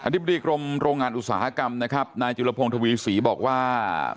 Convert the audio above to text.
ธิบดีกรมโรงงานอุตสาหกรรมนะครับนายจุลพงศ์ทวีศรีบอกว่า